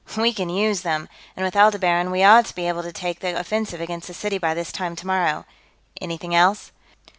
"We can use them! And with Aldebaran, we ought to be able to take the offensive against the city by this time tomorrow. Anything else?"